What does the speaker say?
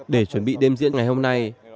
để chuẩn bị đêm diễn ngày hôm nay